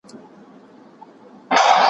موسيقي واوره!